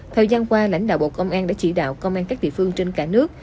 thời gian qua lãnh đạo bộ công an đã chỉ đạo công an các địa phương trên cả nước